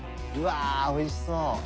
うわおいしそう。